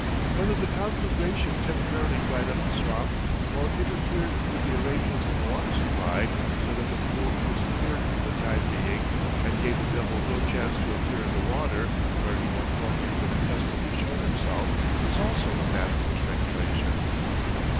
Whether the conflagration temporarily dried up the swamp or interfered with the arrangements of the water supply so that the pool disappeared for the time being and gave the Devil no chance to appear in the water, where he had formerly been accustomed to show himself, is also a matter for speculation.